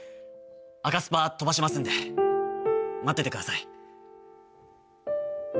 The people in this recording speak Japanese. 赤スパ飛ばしますんで待っててください！